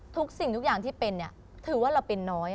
สิ่งทุกอย่างที่เป็นถือว่าเราเป็นน้อย